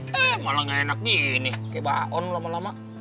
he malah gak enak gini kayak bakon lama lama